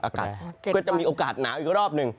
อากาศก็จะมีโอกาสหนาวอีกรอบหนึ่ง